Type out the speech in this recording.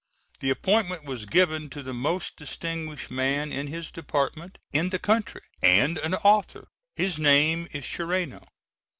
The appointment was given to the most distinguished man in his department in the country, and an author. His name is Shorano.